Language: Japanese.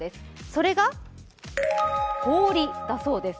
それが氷だそうです。